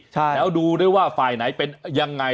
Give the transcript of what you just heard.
แล้วดูด้วยว่าฝ่ายไหนเป็นยังไง